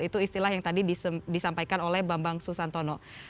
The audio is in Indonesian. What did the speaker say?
itu istilah yang tadi disampaikan oleh bambang susantono